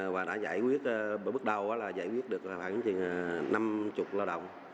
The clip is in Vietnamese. và đã giải quyết bước đầu là giải quyết được khoảng chừng năm mươi lao động